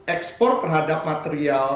ekspor terhadap material